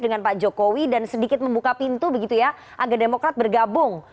dengan pak jokowi dan sedikit membuka pintu begitu ya agar demokrat bergabung